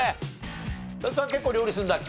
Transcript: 斎藤さん結構料理するんだっけ？